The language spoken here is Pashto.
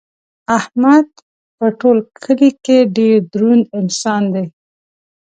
احمد په ټول کلي کې ډېر دروند انسان دی.